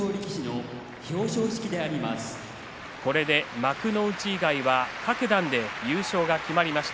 幕内以外は各段で優勝が決まりました。